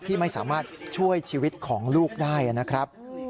ที่ไม่สามารถช่วยชีวิตของลูกได้นะครับ